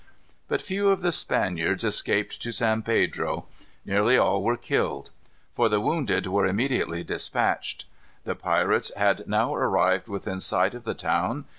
But few of the Spaniards escaped to San Pedro. Nearly all were killed; for the wounded were immediately dispatched. The pirates had now arrived within sight of the town.